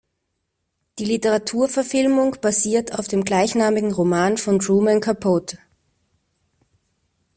Die Literaturverfilmung basiert auf dem gleichnamigen Roman von Truman Capote.